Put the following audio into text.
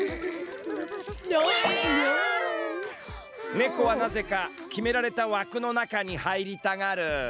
ねこはなぜかきめられたわくのなかにはいりたがる。